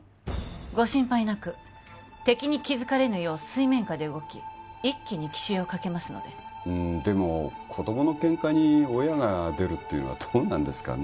ご心配なく敵に気づかれぬよう水面下で動き一気に奇襲をかけますのででも子供のケンカに親が出るっていうのはどうなんですかね